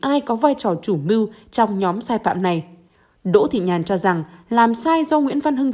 ai có vai trò chủ mưu trong nhóm sai phạm này đỗ thị nhàn cho rằng làm sai do nguyễn văn hưng